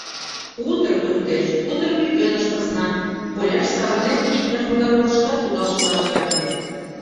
Утыр туртеш, утыр пӱкеныш пызна, коляш савырнен, иктаж-могай рожышкат кудал шылаш ямде.